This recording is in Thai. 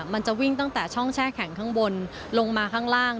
มันจะวิ่งตั้งแต่ช่องแช่แข็งข้างบนลงมาข้างล่าง